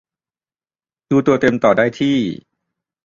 ดูตัวเต็มต่อได้ที่